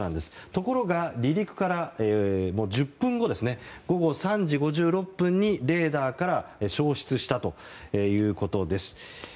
ところが、離陸から１０分後午後３時５６分にレーダーから消失したということです。